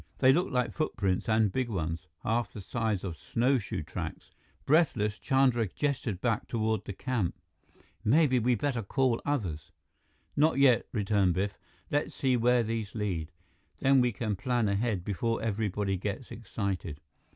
They looked like footprints and big ones, half the size of snowshoe tracks. Breathless, Chandra gestured back toward the camp. "Maybe we better call others?" "Not yet," returned Biff. "Let's see where these lead. Then we can plan ahead, before everybody gets excited."